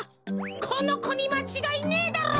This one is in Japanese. このこにまちがいねえだろう？